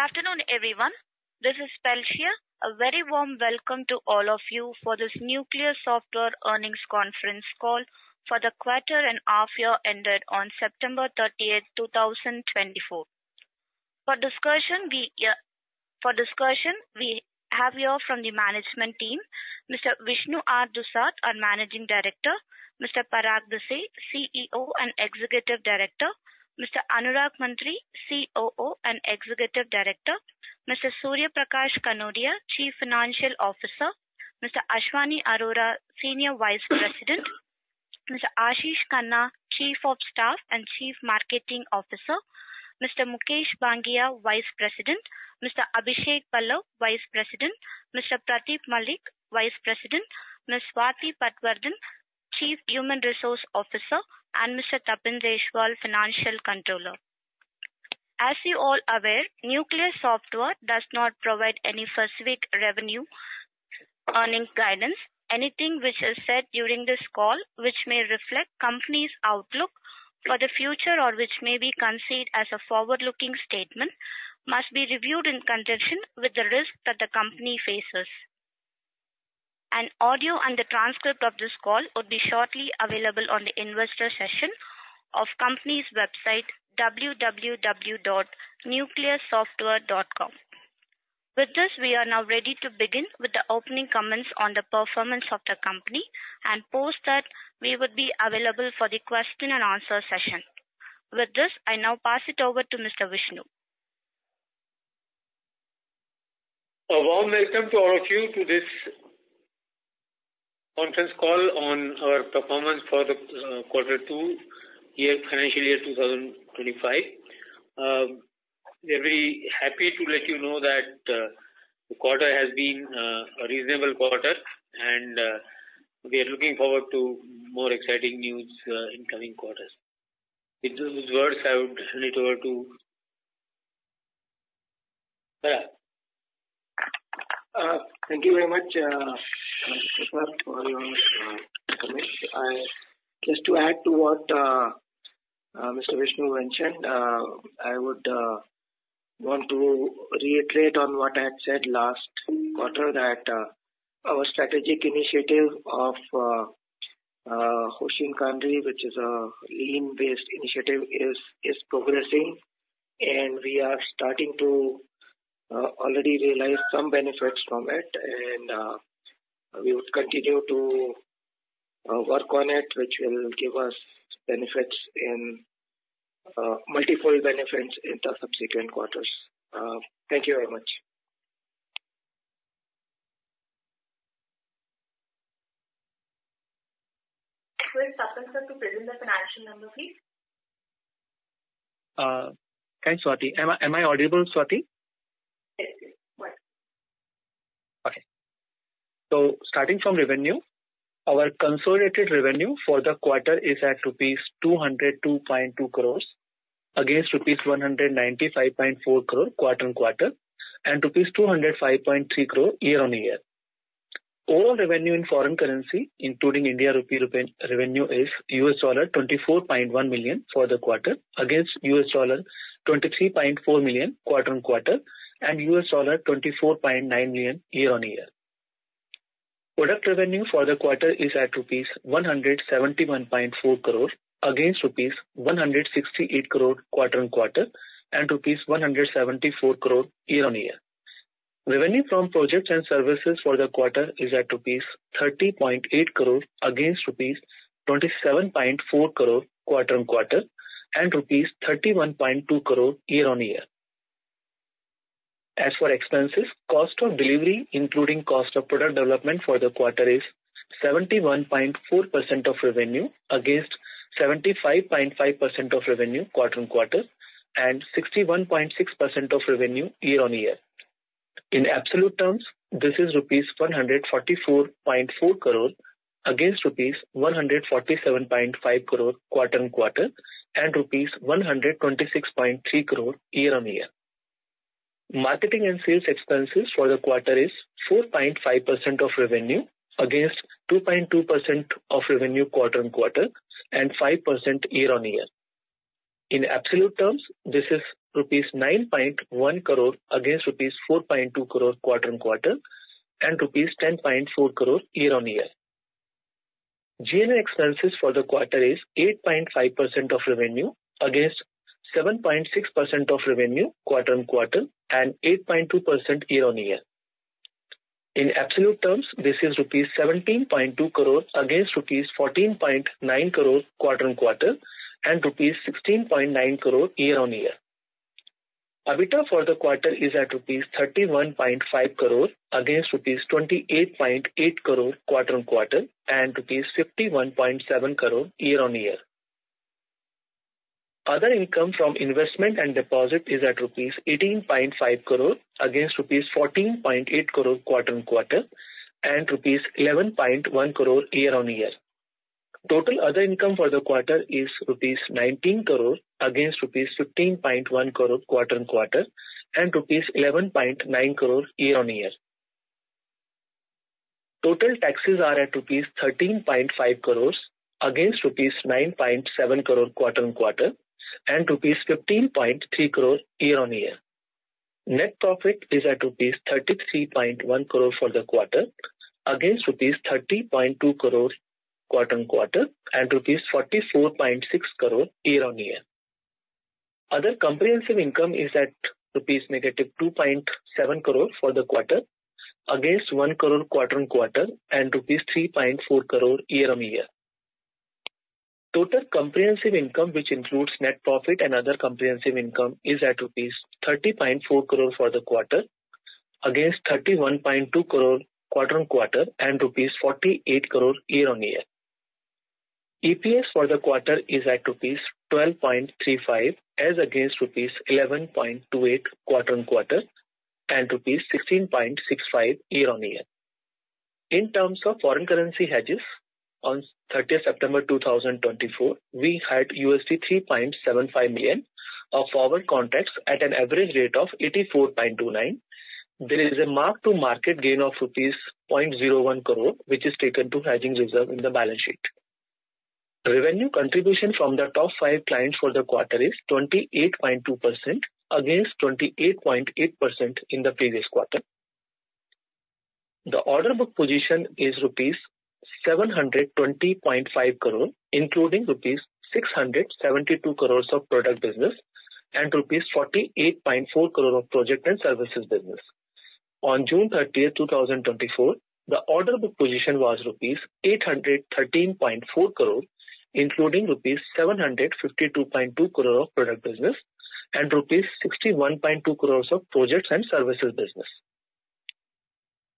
Good afternoon, everyone. This is Pelshia. A very warm welcome to all of you for this Nucleus Software Earnings Conference call for the quarter and half-year ended on September 30, 2024. For discussion, we have here from the management team, Mr. Vishnu R. Dusad, our Managing Director, Mr. Parag Bhise, CEO and Executive Director, Mr. Anurag Mantri, COO and Executive Director, Mr. Surya Prakash Kanodia, Chief Financial Officer, Mr. Ashwani Arora, Senior Vice President, Mr. Ashish Khanna, Chief of Staff and Chief Marketing Officer, Mr. Mukesh Bangia, Vice President, Mr. Abhishek Pallav, Vice President, Mr. Pradeep Malik, Vice President, Ms. Swati Patwardhan, Chief Human Resource Officer, and Mr. Tapinder Singh, Financial Controller. As you all are aware, Nucleus Software does not provide any specific revenue earning guidance. Anything which is said during this call, which may reflect the company's outlook for the future or which may be conceived as a forward-looking statement, must be reviewed in conjunction with the risk that the company faces. An audio and the transcript of this call will be shortly available on the investor session of the company's website, www.nucleussoftware.com. With this, we are now ready to begin with the opening comments on the performance of the company and post that we would be available for the question-and-answer session. With this, I now pass it over to Mr. Vishnu. A warm welcome to all of you to this conference call on our performance for the quarter two year, financial year 2025. We are very happy to let you know that the quarter has been a reasonable quarter, and we are looking forward to more exciting news in the coming quarters. With those words, I would hand it over to. Thank you very much, Mr. Vishnu. Just to add to what Mr. Vishnu mentioned, I would want to reiterate on what I had said last quarter, that our strategic initiative of Hoshin Kanri, which is a lean-based initiative, is progressing, and we are starting to already realize some benefits from it. And we would continue to work on it, which will give us benefits and multiple benefits in the subsequent quarters. Thank you very much. Mr. Surya Prakash Kanodia, could you present the financial number, please? Thanks, Swati. Am I audible, Swati? Yes, yes. Okay. So starting from revenue, our consolidated revenue for the quarter is at rupees 202.2 crores against rupees 195.4 crores quarter on quarter and rupees 205.3 crores year on year. Overall revenue in foreign currency, including Indian rupee revenue, is $24.1 million for the quarter against $23.4 million quarter on quarter and $24.9 million year on year. Product revenue for the quarter is at rupees 171.4 crores against rupees 168 crores quarter on quarter and rupees 174 crores year on year. Revenue from projects and services for the quarter is at rupees 30.8 crores against rupees 27.4 crores quarter on quarter and rupees 31.2 crores year on year. As for expenses, cost of delivery, including cost of product development for the quarter, is 71.4% of revenue against 75.5% of revenue quarter on quarter and 61.6% of revenue year on year. In absolute terms, this is rupees 144.4 crores against rupees 147.5 crores quarter on quarter and rupees 126.3 crores year on year. Marketing and sales expenses for the quarter is 4.5% of revenue against 2.2% of revenue quarter on quarter and 5% year on year. In absolute terms, this is rupees 9.1 crores against rupees 4.2 crores quarter on quarter and rupees 10.4 crores year on year. G&A expenses for the quarter is 8.5% of revenue against 7.6% of revenue quarter on quarter and 8.2% year on year. In absolute terms, this is INR 17.2 crores against INR14.9 crores quarter on quarter and INR 16.9 crores year on year. EBITDA for the quarter is at INR31.5 crores against INR 28.8 crores quarter on quarter and INR 51.7 crores year on year. Other income from investment and deposit is at 18.5 crores against rupees 14.8 crores quarter on quarter and rupees 11.1 crores year on year. Total other income for the quarter is rupees 19 crores against 15.1 crores quarter on quarter and rupees 11.9 crores year on year. Total taxes are at rupees 13.5 crores against rupees 9.7 crores quarter on quarter and rupees 15.3 crores year on year. Net profit is at rupees 33.1 crores for the quarter against rupees 30.2 crores quarter on quarter and rupees 44.6 crores year on year. Other comprehensive income is at INR-2.7 crores for the quarter against 1 crore quarter on quarter and rupees 3.4 crores year on year. Total comprehensive income, which includes net profit and other comprehensive income, is at rupees 30.4 crores for the quarter against 31.2 crores quarter on quarter and rupees 48 crores year on year. EPS for the quarter is at rupees 12.35 as against rupees 11.28 quarter on quarter and rupees 16.65 year on year. In terms of foreign currency hedges, on 30 September 2024, we had $3.75 million of forward contracts at an average rate of 84.29. There is a marked-to-market gain of rupees 0.01 crore, which is taken to Hedging Reserve in the balance sheet. Revenue contribution from the top five clients for the quarter is 28.2% against 28.8% in the previous quarter. The order book position is rupees 720.5 crore, including rupees 672 crores of product business and rupees 48.4 crore of project and services business. On June 30, 2024, the order book position was rupees 813.4 crore, including rupees 752.2 crore of product business and rupees 61.2 crores of projects and services business.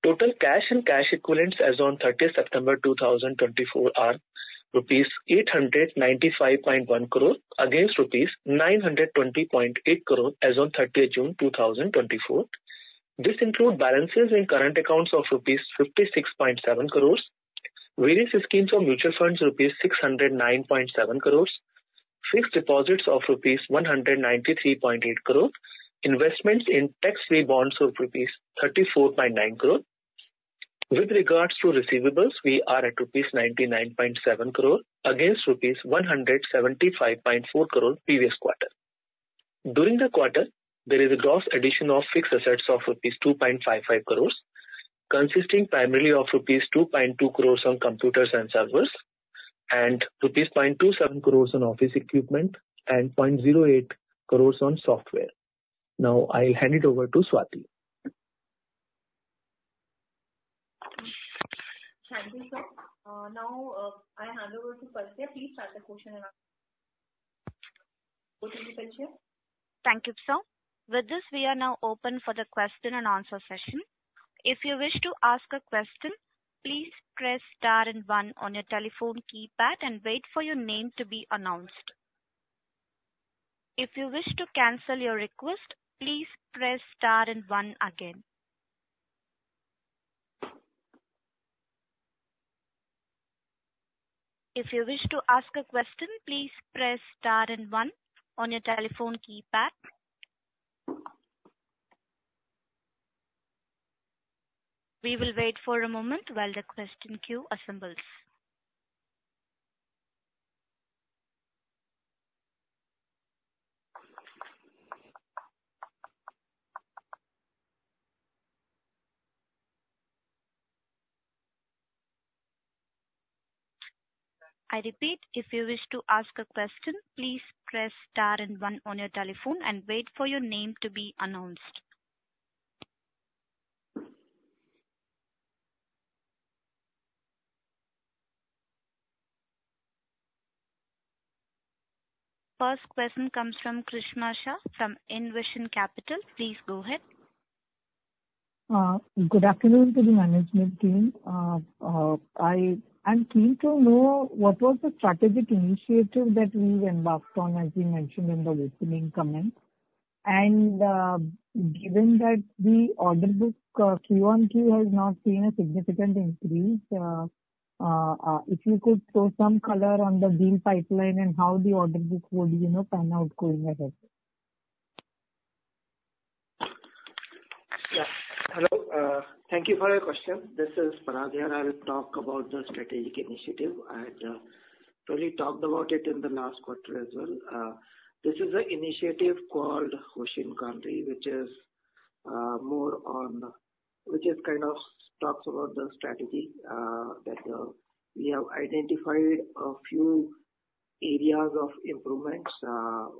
Total cash and cash equivalents as on 30 September 2024 are rupees 895.1 crore against rupees 920.8 crore as on 30 June 2024. This includes balances in current accounts of rupees 56.7 crore, various schemes of mutual funds of rupees 609.7 crore, fixed deposits of rupees 193.8 crore, investments in tax-free bonds of rupees 34.9 crore. With regards to receivables, we are at rupees 99.7 crore against rupees 175.4 crore previous quarter. During the quarter, there is a gross addition of fixed assets of rupees 2.55 crore, consisting primarily of rupees 2.2 crore on computers and servers, rupees 2.27 crore on office equipment, and 0.08 crore on software. Now, I'll hand it over to Swati. Thank you, sir. Now, I hand over to Pelshia. Please start the question and answer. Over to you, Pelshia. Thank you, sir. With this, we are now open for the question-and-answer session. If you wish to ask a question, please press star and one on your telephone keypad and wait for your name to be announced. If you wish to cancel your request, please press star and one again. If you wish to ask a question, please press star and one on your telephone keypad. We will wait for a moment while the question queue assembles. I repeat, if you wish to ask a question, please press star and one on your telephone and wait for your name to be announced. First question comes from Grishma Shah from Envision Capital. Please go ahead. Good afternoon to the management team. I am keen to know what was the strategic initiative that we embarked on, as you mentioned in the opening comments, and given that the order book Q1 queue has not seen a significant increase, if you could throw some color on the deal pipeline and how the order book would pan out going ahead. Yeah. Hello. Thank you for your question. This is Parag. I will talk about the strategic initiative. I had already talked about it in the last quarter as well. This is an initiative called Hoshin Kanri, which is more on which is kind of talks about the strategy that we have identified a few areas of improvements. Now,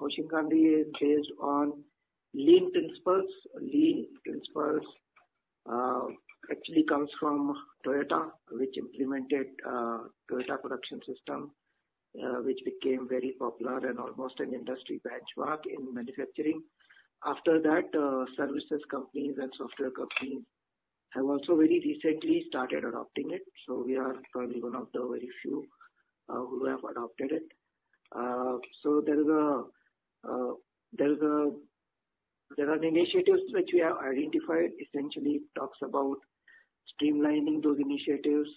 Hoshin Kanri is based on lean principles. Lean principles actually comes from Toyota, which implemented a Toyota Production System, which became very popular and almost an industry benchmark in manufacturing. After that, services companies and software companies have also very recently started adopting it. So we are probably one of the very few who have adopted it. So there are initiatives which we have identified, essentially talks about streamlining those initiatives,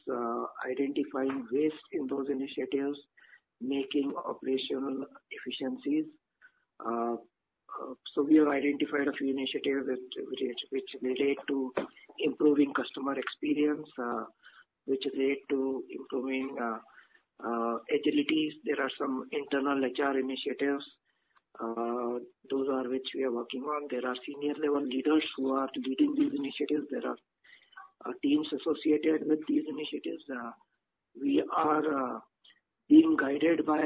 identifying waste in those initiatives, making operational efficiencies. So we have identified a few initiatives which relate to improving customer experience, which relate to improving agilities. There are some internal HR initiatives. Those are which we are working on. There are senior-level leaders who are leading these initiatives. There are teams associated with these initiatives. We are being guided by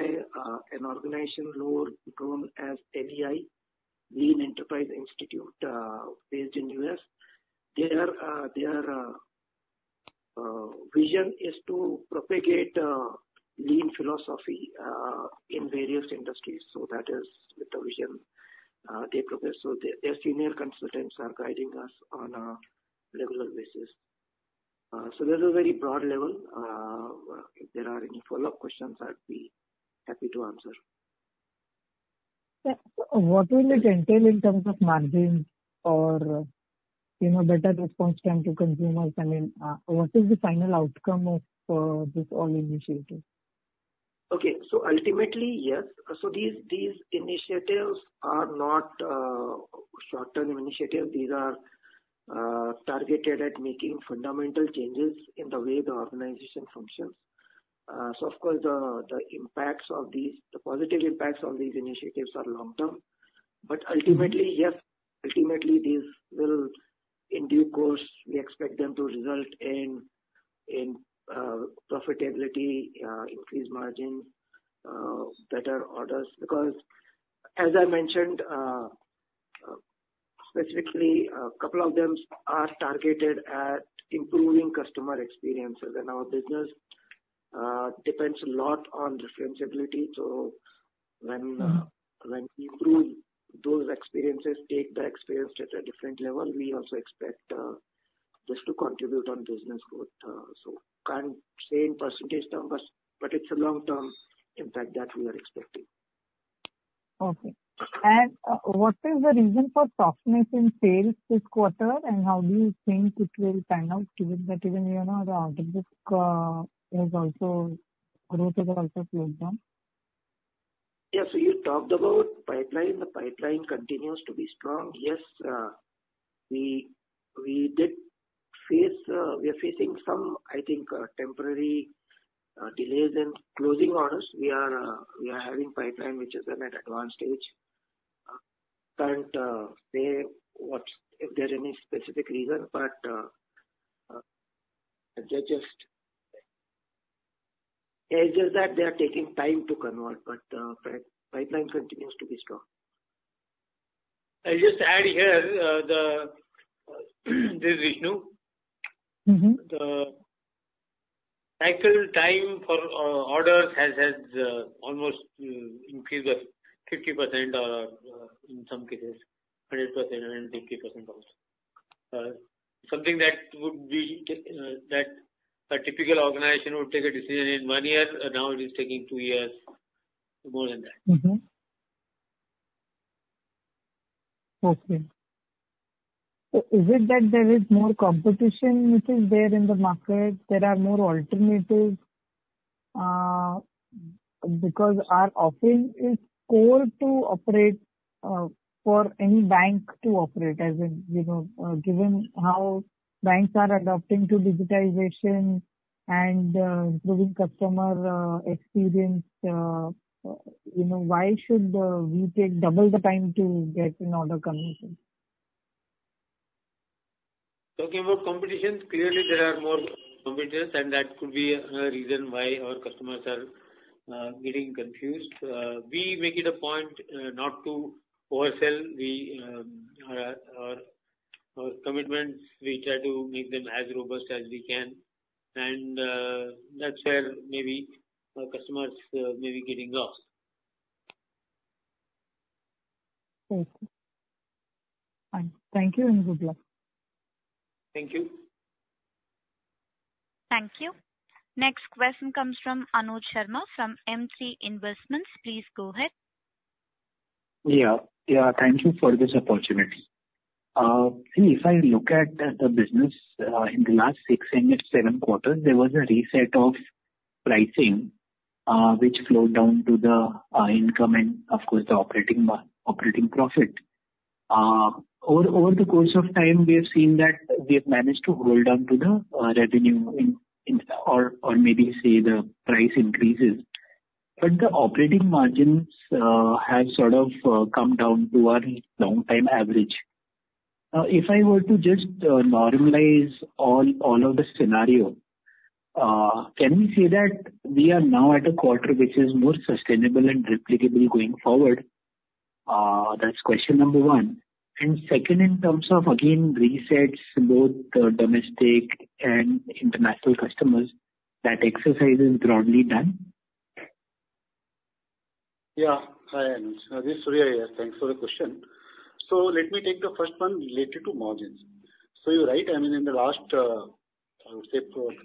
an organization known as LEI, Lean Enterprise Institute, based in the U.S. Their vision is to propagate lean philosophy in various industries. So that is the vision they profess. So their senior consultants are guiding us on a regular basis. So there's a very broad level. If there are any follow-up questions, I'd be happy to answer. Yeah. What will it entail in terms of margins or better response time to consumers? I mean, what is the final outcome of this all initiative? Okay. So ultimately, yes. So these initiatives are not short-term initiatives. These are targeted at making fundamental changes in the way the organization functions. So of course, the impacts of these, the positive impacts of these initiatives are long-term. But ultimately, yes, ultimately these will in due course, we expect them to result in profitability, increased margins, better orders. Because as I mentioned, specifically, a couple of them are targeted at improving customer experiences. And our business depends a lot on referenceability. So when we improve those experiences, take the experience to a different level, we also expect this to contribute on business growth. So can't say in percentage terms, but it's a long-term impact that we are expecting. Okay. What is the reason for softness in sales this quarter, and how do you think it will pan out given that even the order book has also growth has also slowed down? Yeah. So you talked about pipeline. The pipeline continues to be strong. Yes, we are facing some, I think, temporary delays in closing orders. We are having pipeline, which is at an advanced stage. Can't say if there's any specific reason, but they're just, it's just that they are taking time to convert, but the pipeline continues to be strong. I'll just add here, Regarding, the cycle time for orders has almost increased by 50% or in some cases, 100% and 50% also. Something that a typical organization would take a decision in one year. Now it is taking two years, more than that. Okay. So is it that there is more competition, which is there in the market? There are more alternatives because our offering is core to operate for any bank to operate. As in, given how banks are adapting to digitization and improving customer experience, why should we take double the time to get an order converted? Talking about competition, clearly there are more competitors, and that could be a reason why our customers are getting confused. We make it a point not to oversell. We are our commitments; we try to make them as robust as we can, and that's where maybe our customers may be getting lost. Okay. Thank you and good luck. Thank you. Thank you. Next question comes from Anuj Sharma from M3 Investments. Please go ahead. Yeah. Yeah. Thank you for this opportunity. If I look at the business in the last six and seven quarters, there was a reset of pricing, which slowed down to the income and, of course, the operating profit. Over the course of time, we have seen that we have managed to hold on to the revenue or maybe say the price increases. But the operating margins have sort of come down to our long-time average. Now, if I were to just normalize all of the scenario, can we say that we are now at a quarter which is more sustainable and replicable going forward? That's question number one. And second, in terms of, again, resets, both domestic and international customers, that exercise is broadly done. Yeah. Hi, Anuj. This is Parag here. Thanks for the question, so let me take the first one related to margins, so you're right. I mean, in the last, I would say,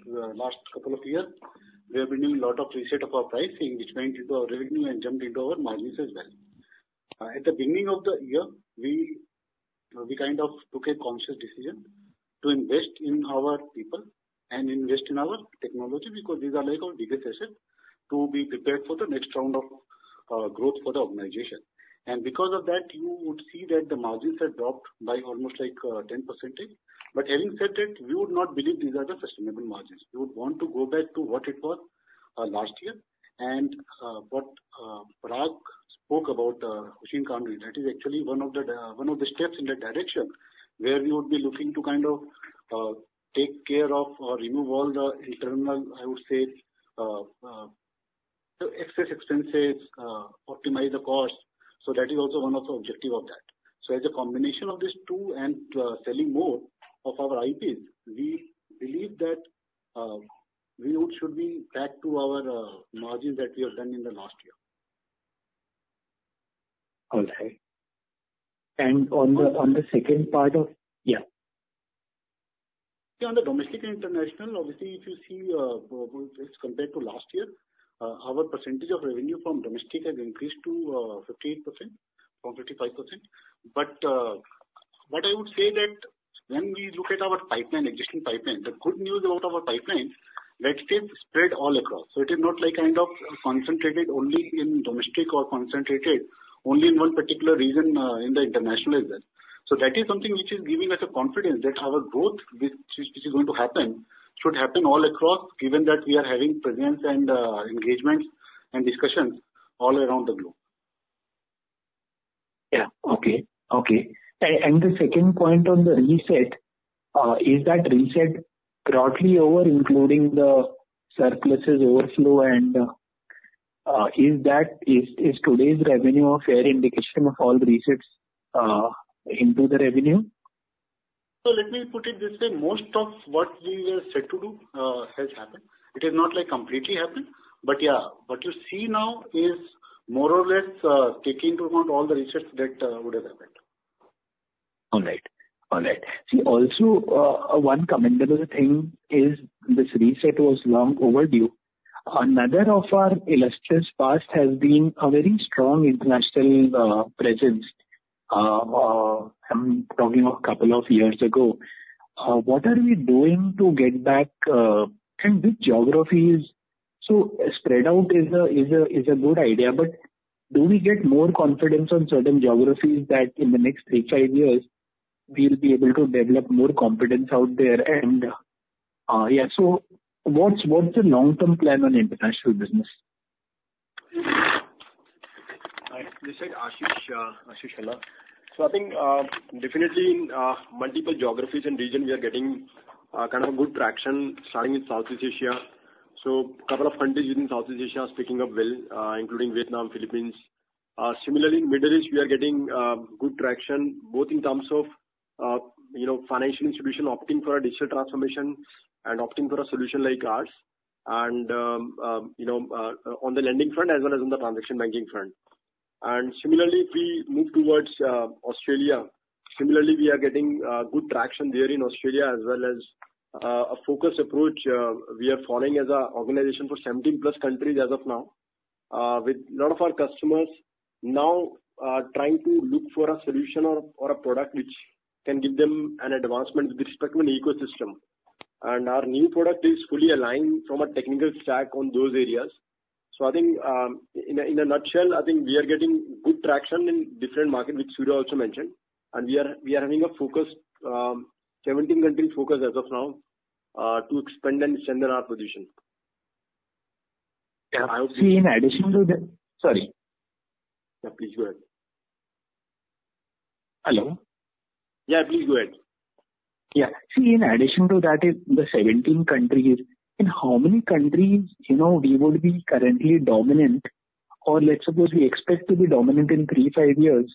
last couple of years, we have been doing a lot of reset of our pricing, which went into our revenue and jumped into our margins as well. At the beginning of the year, we kind of took a conscious decision to invest in our people and invest in our technology because these are our biggest assets to be prepared for the next round of growth for the organization, and because of that, you would see that the margins had dropped by almost like 10%, but having said that, we would not believe these are the sustainable margins. We would want to go back to what it was last year. What Parag spoke about, Hoshin Kanri, that is actually one of the steps in the direction where we would be looking to kind of take care of or remove all the internal, I would say, excess expenses, optimize the cost. So that is also one of the objectives of that. So as a combination of these two and selling more of our IPs, we believe that we should be back to our margins that we have done in the last year. Okay. And on the second part of yeah. Yeah. On the domestic and international, obviously, if you see compared to last year, our percentage of revenue from domestic has increased to 58% from 55%. But what I would say that when we look at our pipeline, existing pipeline, the good news about our pipeline, let's say, spread all across. So it is not like kind of concentrated only in domestic or concentrated only in one particular region in the international as well. So that is something which is giving us a confidence that our growth, which is going to happen, should happen all across, given that we are having presence and engagements and discussions all around the globe. And the second point on the reset, is that reset broadly over including the surpluses, overflow? And is today's revenue a fair indication of all the resets into the revenue? So let me put it this way. Most of what we were set to do has happened. It has not completely happened. But yeah, what you see now is more or less taking into account all the resets that would have happened. All right. All right. See, also, one commendable thing is this reset was long overdue. Another of our illustrious past has been a very strong international presence. I'm talking a couple of years ago. What are we doing to get back? And this geography is so spread out is a good idea, but do we get more confidence on certain geographies that in the next three, five years, we'll be able to develop more confidence out there? And yeah, so what's the long-term plan on international business? You said Ashish Khanna. So I think definitely in multiple geographies and regions, we are getting kind of good traction, starting with Southeast Asia. So a couple of countries within Southeast Asia are picking up well, including Vietnam, Philippines. Similarly, in the Middle East, we are getting good traction, both in terms of financial institutions opting for a digital transformation and opting for a solution like ours. And on the lending front as well as on the transaction banking front. And similarly, if we move towards Australia, similarly, we are getting good traction there in Australia as well as a focused approach. We are focusing as an organization on 17-plus countries as of now, with a lot of our customers now trying to look for a solution or a product which can give them an advancement with respect to an ecosystem. And our new product is fully aligned from a technical stack on those areas. So I think in a nutshell, I think we are getting good traction in different markets, which Surya also mentioned. And we are having a focused 17-country focus as of now to expand and strengthen our position. Yeah. See, in addition to the sorry. Yeah, please go ahead. Hello? Yeah, please go ahead. Yeah. See, in addition to that, the 17 countries, in how many countries we would be currently dominant? Or let's suppose we expect to be dominant in three, five years,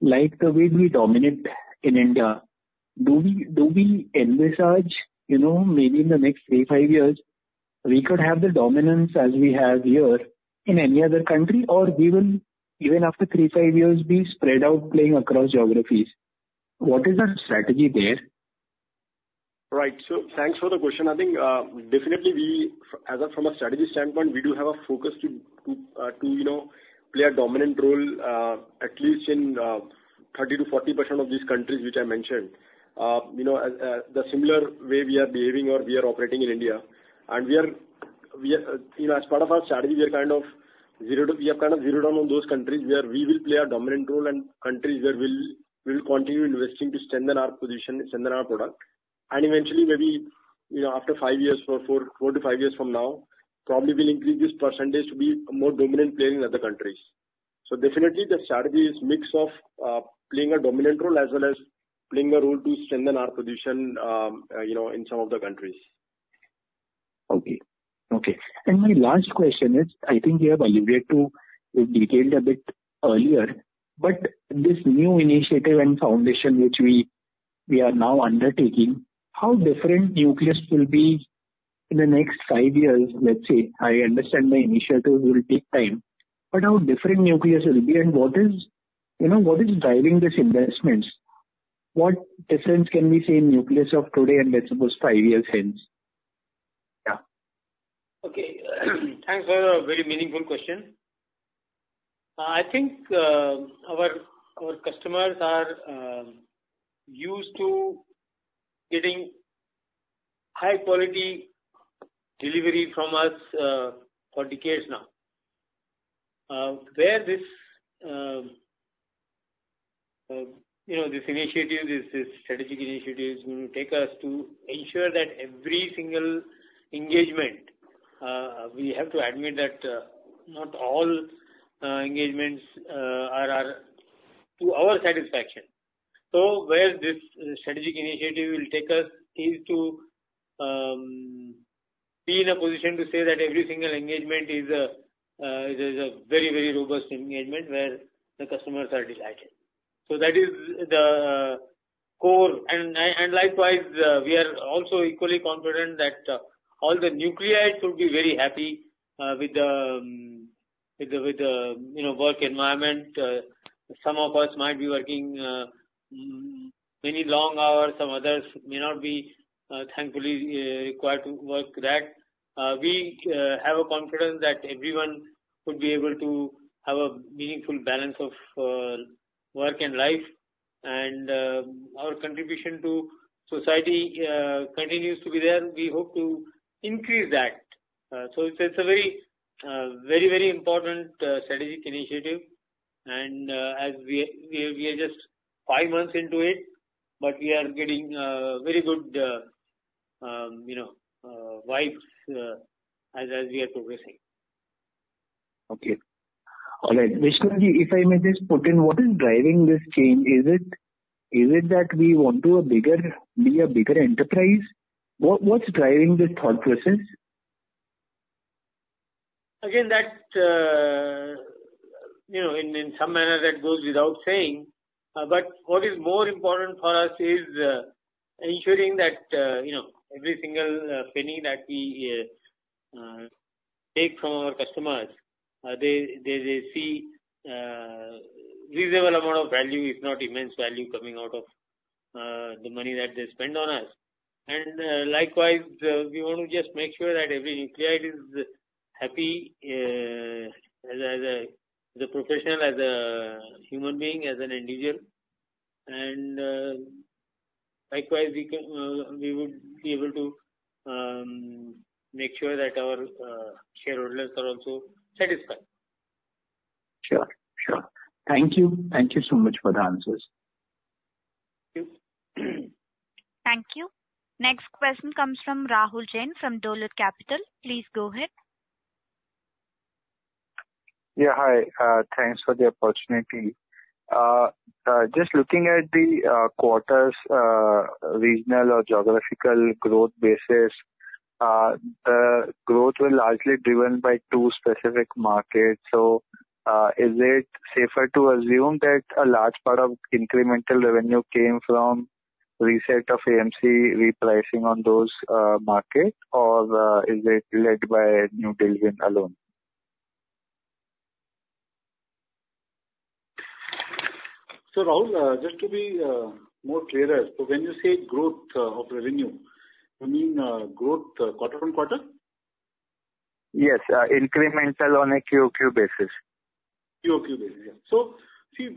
like the way we dominate in India. Do we envisage maybe in the next three, five years, we could have the dominance as we have here in any other country, or we will, even after three, five years, be spread out playing across geographies? What is our strategy there? Right. So thanks for the question. I think definitely, as from a strategy standpoint, we do have a focus to play a dominant role, at least in 30%-40% of these countries which I mentioned, the similar way we are behaving or we are operating in India. As part of our strategy, we have kind of zeroed down on those countries where we will play a dominant role and countries where we'll continue investing to strengthen our position, strengthen our product. Eventually, maybe after five years or four to five years from now, probably we'll increase this percentage to be a more dominant player in other countries. Definitely, the strategy is a mix of playing a dominant role as well as playing a role to strengthen our position in some of the countries. Okay. Okay. And my last question is, I think you have alluded to it detailed a bit earlier, but this new initiative and foundation which we are now undertaking, how different Nucleus will be in the next five years, let's say? I understand the initiative will take time, but how different Nucleus will be? And what is driving this investment? What difference can we see in Nucleus of today and, let's suppose, five years hence? Yeah. Okay. Thanks for a very meaningful question. I think our customers are used to getting high-quality delivery from us for decades now. Where this initiative, this strategic initiative is going to take us to ensure that every single engagement, we have to admit that not all engagements are to our satisfaction. So where this strategic initiative will take us is to be in a position to say that every single engagement is a very, very robust engagement where the customers are delighted. So that is the core. And likewise, we are also equally confident that all the Nucleus should be very happy with the work environment. Some of us might be working many long hours. Some others may not be, thankfully, required to work that. We have a confidence that everyone would be able to have a meaningful balance of work and life. And our contribution to society continues to be there. We hope to increase that. So it's a very, very, very important strategic initiative. And as we are just five months into it, but we are getting very good vibes as we are progressing. Okay. All right. Vishnu ji, if I may just put in, what is driving this change? Is it that we want to be a bigger enterprise? What's driving this thought process? Again, in some manner, that goes without saying. But what is more important for us is ensuring that every single penny that we take from our customers, they see a reasonable amount of value, if not immense value, coming out of the money that they spend on us. And likewise, we want to just make sure that every Nucleus is happy as a professional, as a human being, as an individual. And likewise, we would be able to make sure that our shareholders are also satisfied. Sure. Sure. Thank you. Thank you so much for the answers. Thank you. Thank you. Next question comes from Rahul Jain from Dolat Capital. Please go ahead. Yeah. Hi. Thanks for the opportunity. Just looking at the quarters, regional or geographical growth basis, the growth was largely driven by two specific markets. So is it safer to assume that a large part of incremental revenue came from reset of AMC repricing on those markets, or is it led by new delivery alone? Rahul, just to be more clearer, so when you say growth of revenue, you mean growth quarter on quarter? Yes. Incremental on a QOQ basis. QOQ basis. Yeah. So see,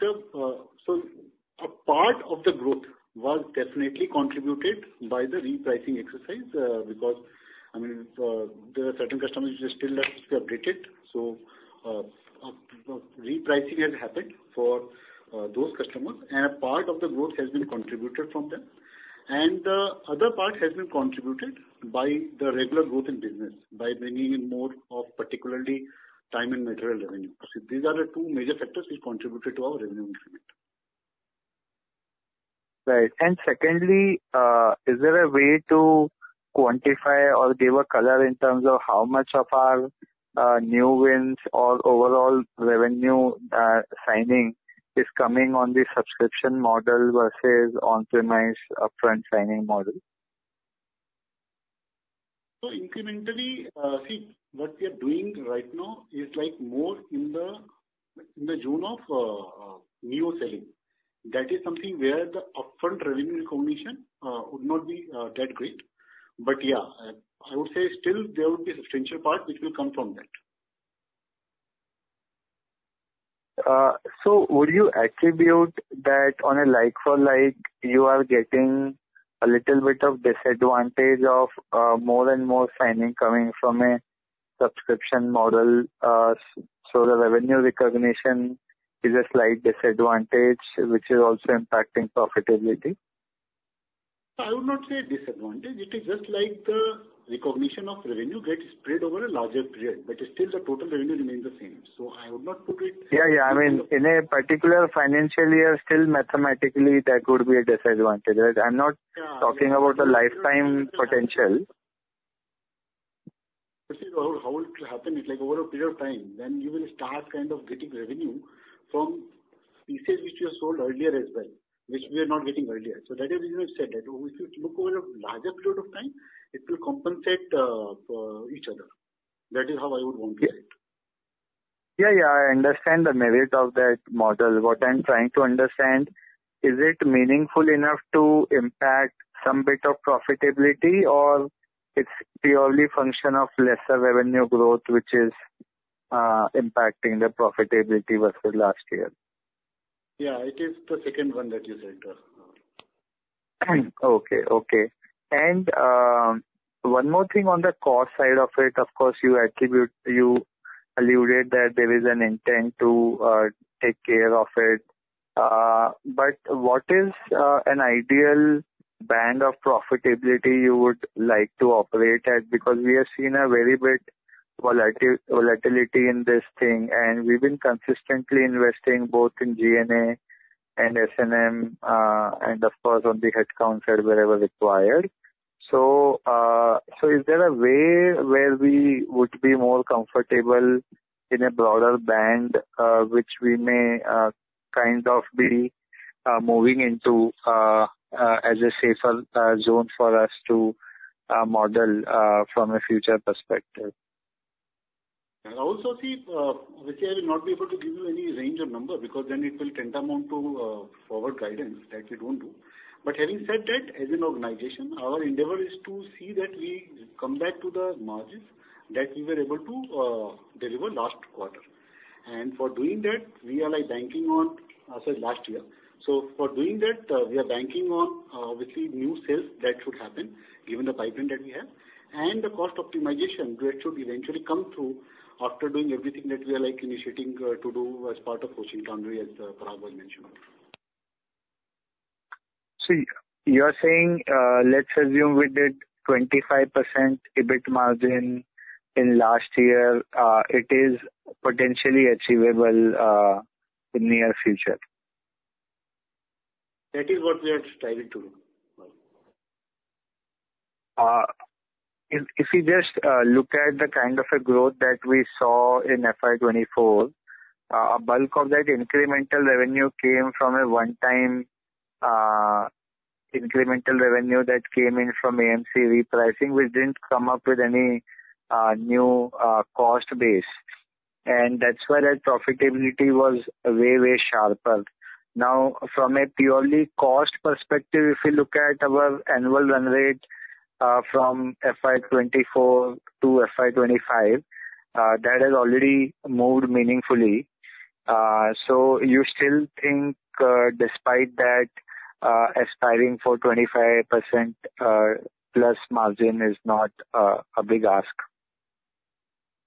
a part of the growth was definitely contributed by the repricing exercise because, I mean, there are certain customers which are still left to be updated. So repricing has happened for those customers, and a part of the growth has been contributed from them. And the other part has been contributed by the regular growth in business, by bringing in more of particularly time and material revenue. So these are the two major factors which contributed to our revenue increment. Right. And secondly, is there a way to quantify or give a color in terms of how much of our new wins or overall revenue signing is coming on the subscription model versus on-premise upfront signing model? Incrementally, see, what we are doing right now is more in the zone of new selling. That is something where the upfront revenue recognition would not be that great. Yeah, I would say still there would be a substantial part which will come from that. So would you attribute that on a like-for-like, you are getting a little bit of disadvantage of more and more signing coming from a subscription model? So the revenue recognition is a slight disadvantage, which is also impacting profitability? So I would not say disadvantage. It is just like the recognition of revenue gets spread over a larger period, but still the total revenue remains the same. So I would not put it. Yeah. Yeah. I mean, in a particular financial year, still mathematically, that would be a disadvantage. I'm not talking about the lifetime potential. But see, Rahul, how it will happen is over a period of time. Then you will start kind of getting revenue from pieces which you sold earlier as well, which we are not getting earlier. So that is the reason I said that if you look over a larger period of time, it will compensate for each other. That is how I would want to see it. Yeah. Yeah. I understand the merit of that model. What I'm trying to understand is it meaningful enough to impact some bit of profitability, or it's purely a function of lesser revenue growth which is impacting the profitability versus last year? Yeah. It is the second one that you said. Okay. Okay. And one more thing on the cost side of it. Of course, you alluded that there is an intent to take care of it. But what is an ideal band of profitability you would like to operate at? Because we have seen a very big volatility in this thing, and we've been consistently investing both in G&A and S&M, and of course, on the headcount side wherever required. So is there a way where we would be more comfortable in a broader band which we may kind of be moving into as a safer zone for us to model from a future perspective? Also, see, which I will not be able to give you any range of number because then it will tend to amount to forward guidance that we don't do. But having said that, as an organization, our endeavor is to see that we come back to the margins that we were able to deliver last quarter. And for doing that, we are banking on, as I said, last year. So for doing that, we are banking on, obviously, new sales that should happen, given the pipeline that we have. And the cost optimization, which should eventually come through after doing everything that we are initiating to do as part of Hoshin Kanri, as Parag was mentioning. See, you are saying let's assume we did 25% EBIT margin in last year. It is potentially achievable in the near future. That is what we are striving to do. If you just look at the kind of growth that we saw in FY 24, a bulk of that incremental revenue came from a one-time incremental revenue that came in from AMC repricing, which didn't come up with any new cost base. And that's where that profitability was way, way sharper. Now, from a purely cost perspective, if you look at our annual run rate from FY 24 to FY 25, that has already moved meaningfully. So you still think, despite that, aspiring for 25% plus margin is not a big ask?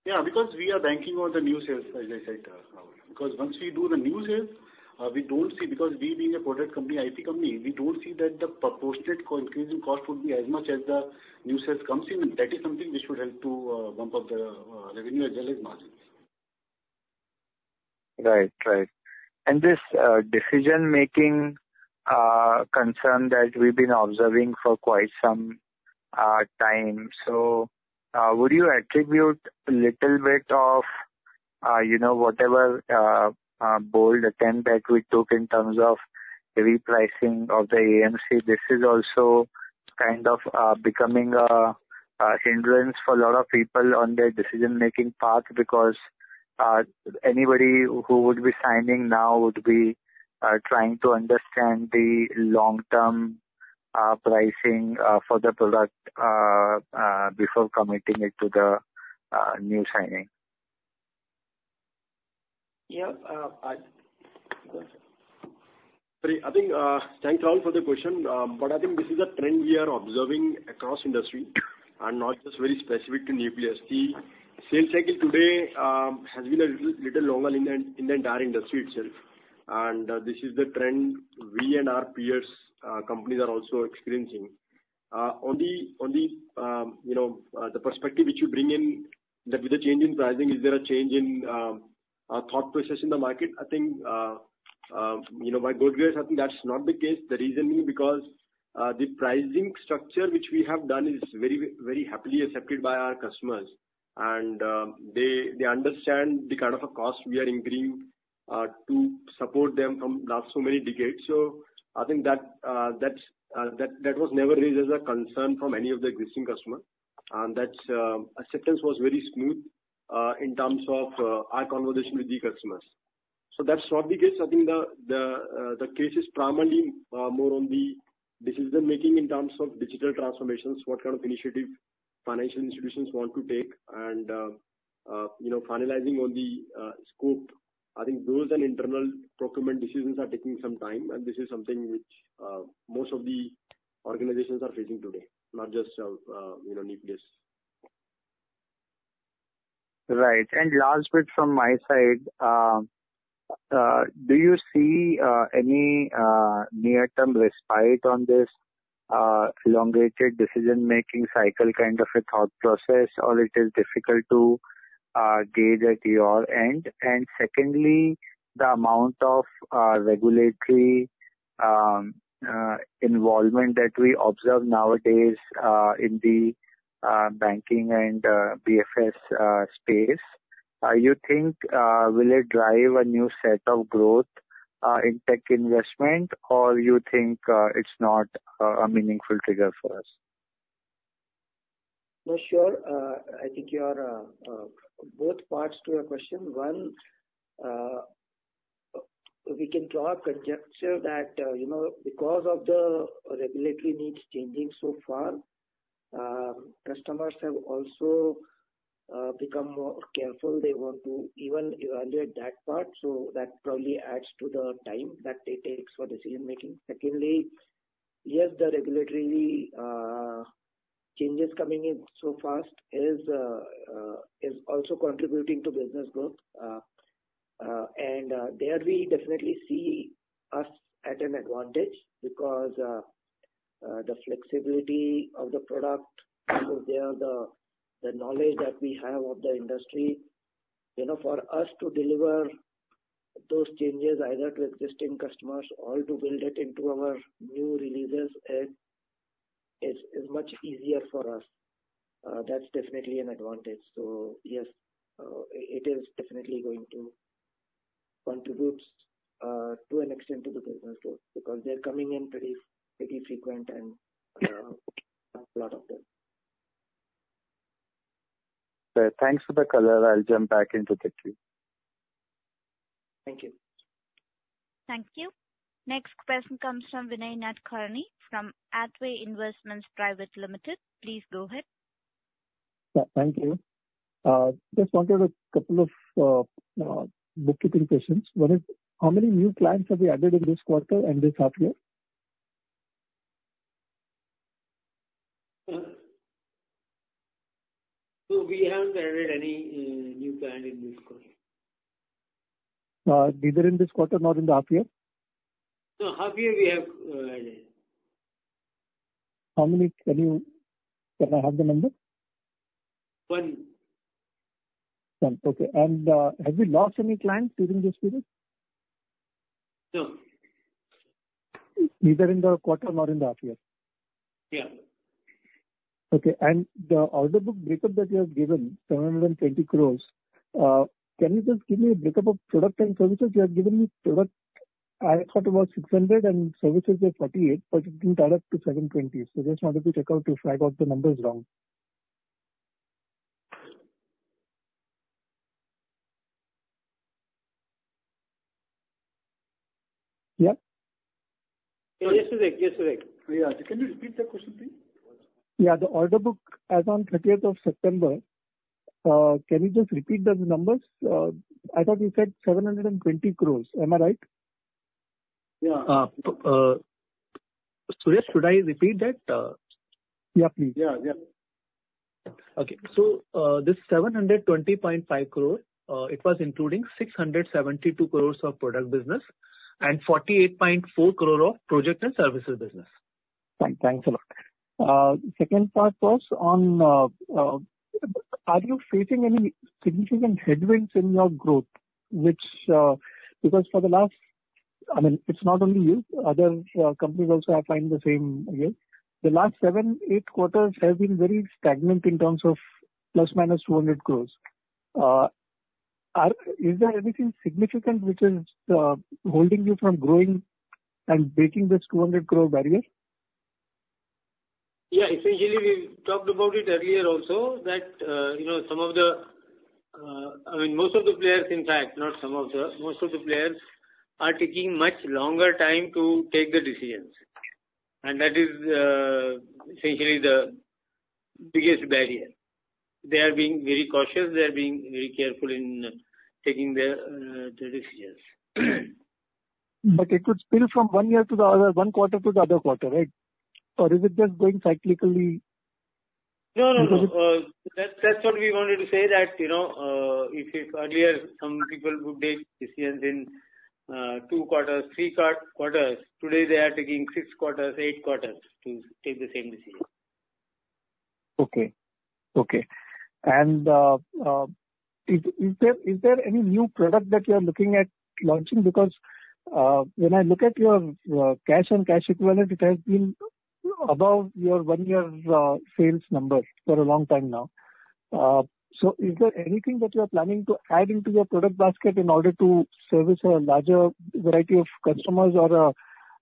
Yeah. Because we are banking on the new sales, as I said, Rahul. Because once we do the new sales, we don't see because we, being a product company, IT company, we don't see that the proportionate increase in cost would be as much as the new sales comes in. And that is something which would help to bump up the revenue as well as margins. Right. Right, and this decision-making concern that we've been observing for quite some time. So, would you attribute a little bit of whatever bold attempt that we took in terms of repricing of the AMC? This is also kind of becoming a hindrance for a lot of people on their decision-making path because anybody who would be signing now would be trying to understand the long-term pricing for the product before committing it to the new signing. Yeah. I think thanks, Rahul, for the question. But I think this is a trend we are observing across industry and not just very specific to Nucleus. The sales cycle today has been a little longer in the entire industry itself. And this is the trend we and our peers' companies are also experiencing. On the perspective which you bring in with the change in pricing, is there a change in thought process in the market? I think, by God's grace, I think that's not the case. The reason being because the pricing structure which we have done is very happily accepted by our customers. And they understand the kind of cost we are incurring to support them from last so many decades. So I think that was never raised as a concern from any of the existing customers. That acceptance was very smooth in terms of our conversation with the customers. So that's not the case. I think the case is primarily more on the decision-making in terms of digital transformations, what kind of initiative financial institutions want to take, and finalizing on the scope. I think those and internal procurement decisions are taking some time. And this is something which most of the organizations are facing today, not just Nucleus. Right. And last bit from my side, do you see any near-term respite on this elongated decision-making cycle kind of a thought process, or it is difficult to gauge at your end? And secondly, the amount of regulatory involvement that we observe nowadays in the banking and BFS space, you think will it drive a new set of growth in tech investment, or you think it's not a meaningful trigger for us? Well, sure. I think you are both parts to your question. One, we can draw a conjecture that because of the regulatory needs changing so far, customers have also become more careful. They want to even evaluate that part. So that probably adds to the time that it takes for decision-making. Secondly, yes, the regulatory changes coming in so fast is also contributing to business growth. And there we definitely see us at an advantage because the flexibility of the product is there, the knowledge that we have of the industry. For us to deliver those changes either to existing customers or to build it into our new releases, it is much easier for us. That's definitely an advantage. So yes, it is definitely going to contribute to an extent to the business growth because they're coming in pretty frequent and a lot of them. Thanks for the color. I'll jump back into the queue. Thank you. Thank you. Next question comes from Vinay Nadkarni from Hathway Investments Private Limited. Please go ahead. Thank you. Just wanted a couple of bookkeeping questions. One is, how many new clients have you added in this quarter and this half year? We haven't added any new client in this quarter. Neither in this quarter nor in the half year? No, half year we have added. How many? Can I have the number? One. One. Okay. And have we lost any clients during this period? No. Neither in the quarter nor in the half year? Yeah. Okay. And the order book breakup that you have given, 720 crores, can you just give me a breakup of product and services? You have given me product. I thought it was 600, and services were 48, but it didn't add up to 720. So just wanted to check out to flag out the numbers wrong. Yeah? Yes, Sir. Yes, Sir. Yeah. Can you repeat that question, please? Yeah. The order book as of 30th of September, can you just repeat those numbers? I thought you said 720 crores. Am I right? Yeah. Should I repeat that? Yeah, please. This 720.5 crore, it was including 672 crores of product business and 48.4 crore of project and services business. Thanks a lot. Second part was on, are you facing any significant headwinds in your growth? Because for the last, I mean, it's not only you. Other companies also are finding the same here. The last seven, eight quarters have been very stagnant in terms of plus minus 200 crores. Is there anything significant which is holding you from growing and breaking this 200 crore barrier? Yeah. Essentially, we talked about it earlier also that some of the, I mean, most of the players, in fact, not some of the, most of the players are taking much longer time to take the decisions. And that is essentially the biggest barrier. They are being very cautious. They are being very careful in taking their decisions. But it could spill from one year to the other, one quarter to the other quarter, right? Or is it just going cyclically? No, no, no. That's what we wanted to say, that if earlier some people would take decisions in two quarters, three quarters, today they are taking six quarters, eight quarters to take the same decision. Okay. Okay. And is there any new product that you are looking at launching? Because when I look at your cash and cash equivalent, it has been above your one-year sales number for a long time now. So is there anything that you are planning to add into your product basket in order to service a larger variety of customers or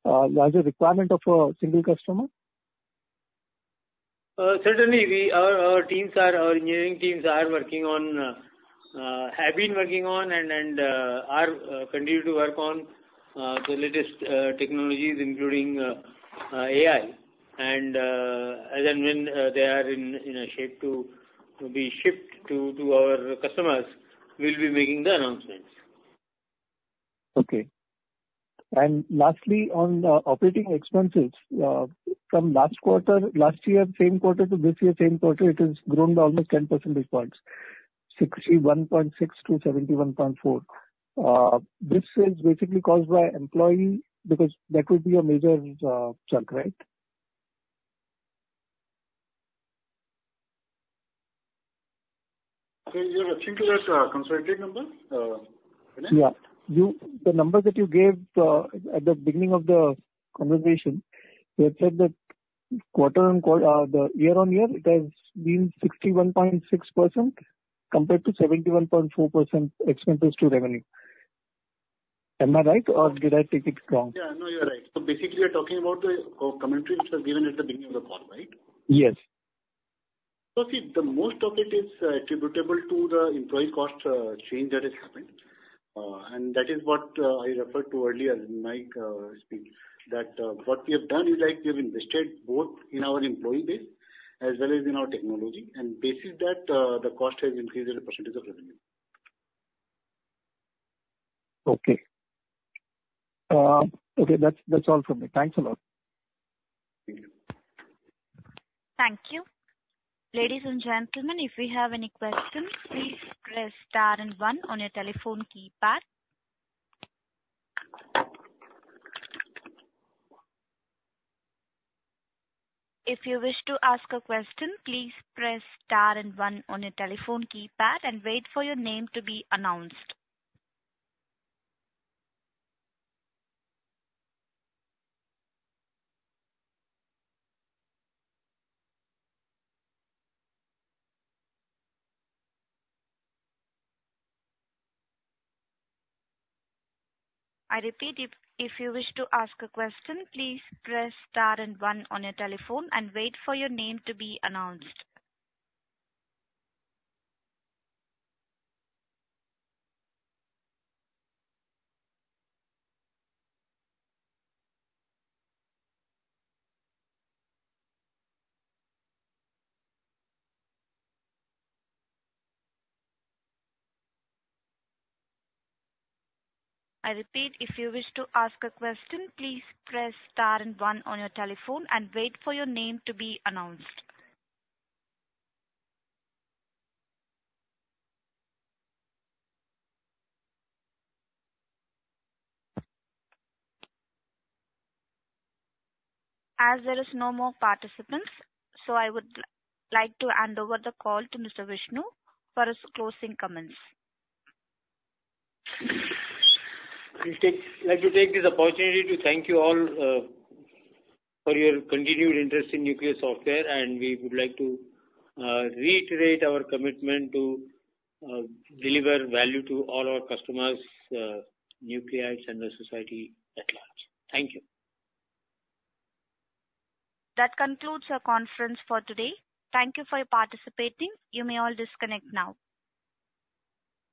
a larger requirement of a single customer? Certainly, our engineering teams are working on, have been working on, and continue to work on the latest technologies, including AI, and then when they are in a shape to be shipped to our customers, we'll be making the announcements. Okay. And lastly, on operating expenses, from last quarter, last year, same quarter to this year, same quarter, it has grown almost 10 percentage points, 61.6%-71.4%. This is basically caused by employee because that would be a major chunk, right? You have a singular consultant number, Vinay? Yeah. The number that you gave at the beginning of the conversation, you had said that quarter and the year-on-year, it has been 61.6% compared to 71.4% expenses to revenue. Am I right, or did I take it wrong? Yeah. No, you're right. So basically, you're talking about the commentary which was given at the beginning of the call, right? Yes. So see, the most of it is attributable to the employee cost change that has happened. And that is what I referred to earlier as Malik speak, that what we have done is we have invested both in our employee base as well as in our technology, and basically, that the cost has increased in the percentage of revenue. Okay. Okay. That's all from me. Thanks a lot. Thank you. Thank you. Ladies and gentlemen, if you have any questions, please press star and one on your telephone keypad. If you wish to ask a question, please press star and one on your telephone keypad and wait for your name to be announced. I repeat, if you wish to ask a question, please press star and one on your telephone and wait for your name to be announced. I repeat, if you wish to ask a question, please press star and one on your telephone and wait for your name to be announced. As there are no more participants, so I would like to hand over the call to Mr. Vishnu for his closing comments. I'd like to take this opportunity to thank you all for your continued interest in Nucleus Software, and we would like to reiterate our commitment to deliver value to all our customers, Nucleus and the society at large. Thank you. That concludes our conference for today. Thank you for participating. You may all disconnect now.